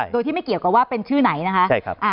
โดยที่ไม่เกี่ยวกับว่าเป็นชื่อไหนนะคะ